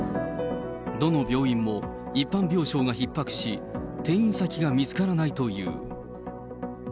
どの病院も一般病床がひっ迫し、転院先が見つからないという。